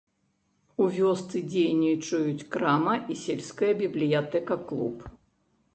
У вёсцы дзейнічаюць крама і сельская бібліятэка-клуб.